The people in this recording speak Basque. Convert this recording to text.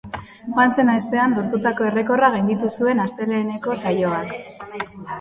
Joan zen astean lortutako errekorra gainditu zuen asteleheneko saioak.